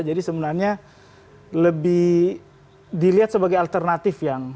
sebenarnya lebih dilihat sebagai alternatif yang